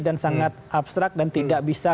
dan sangat abstrak dan tidak bisa